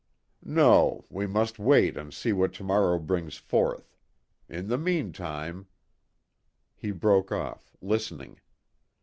"No. We must wait and see what to morrow brings forth. In the meantime " He broke off, listening.